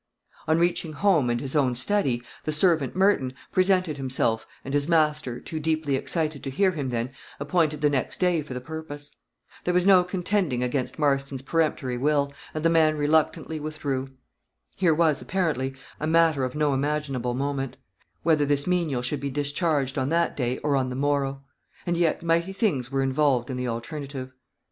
On reaching home and his own study, the servant, Merton, presented himself, and his master, too deeply excited to hear him then, appointed the next day for the purpose. There was no contending against Marston's peremptory will, and the man reluctantly withdrew. Here was, apparently, a matter of no imaginable moment; whether this menial should be discharged on that day, or on the morrow; and yet mighty things were involved in the alternative.